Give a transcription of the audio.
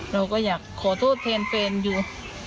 เราก็อยากขอโทษแทนแฟนอยู่